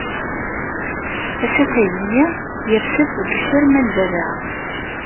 Asafag-nni yers-d deg lfirma n baba.